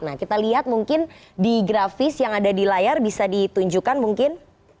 nah kita lihat mungkin di grafis yang ada di layar bisa ditunjukkan mungkin